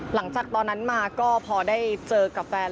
หลังจากนั้นมาก็พอได้เจอกับแฟน